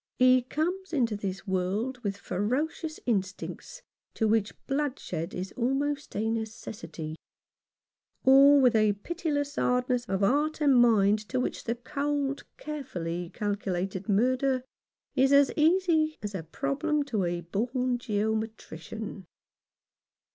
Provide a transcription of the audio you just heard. He comes into the world with ferocious instincts to which bloodshed is almost a necessity ; or with a pitiless hardness of heart and mind to which the cold, carefully calculated murder is as easy as a problem to a born geometrician.